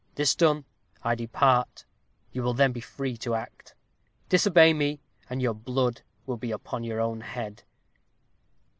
This done, I depart. You will then be free to act. Disobey me, and your blood be upon your own head."